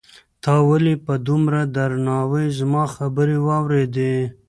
تا ولې په دومره درناوي زما خبرې واورېدې؟